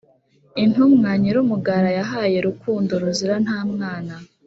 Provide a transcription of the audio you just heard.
intumwa nyirumugara yahaye rukundo ruzira ntamwana